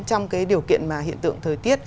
trong cái điều kiện mà hiện tượng thời tiết